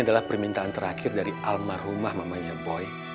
adalah permintaan terakhir dari almarhumah mamanya boy